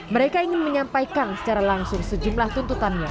mereka ingin menyampaikan secara langsung sejumlah tuntutannya